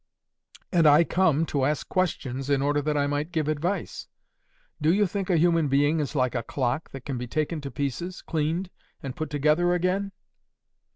"'And I came to ask questions, in order that I might give advice. Do you think a human being is like a clock, that can be taken to pieces, cleaned, and put together again?